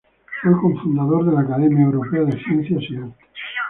Fue cofundador de la Academia Europea de Ciencias y Artes.